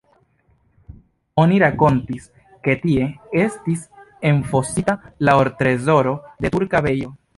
Oni rakontis, ke tie estis enfosita la ortrezoro de turka bejo.